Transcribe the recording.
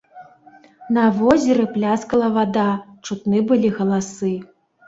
На возеры пляскала вада, чутны былі галасы.